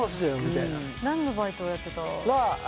何のバイトをやってた？